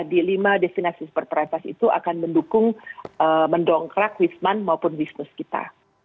di lima destinasi super prioritas itu akan mendukung mendongkrak wisman maupun bisnis kita